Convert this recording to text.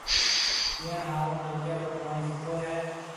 پئِيڻ هارون نلڪيَ رو پوڻِي سُٺو هيَ۔